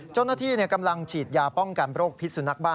เจ้าหน้าที่กำลังฉีดยาป้องกันโรคพิษสุนัขบ้า